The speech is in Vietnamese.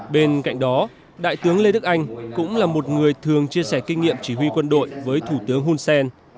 bên cạnh đó đại tướng lê đức anh cũng là một người thường chia sẻ kinh nghiệm chỉ huy quân đội với thủ tướng hun sen